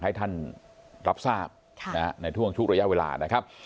ให้ท่านรับทราบในท่วงทุกระยะเวลานะครับ